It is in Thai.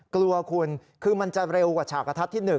กลัวคุณคือมันจะเร็วกว่าฉากกระทัดที่๑